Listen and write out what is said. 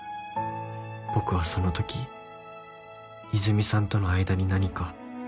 「僕はその時泉さんとの間に何か」